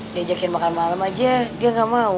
dia ajakin makan malam aja dia gak mau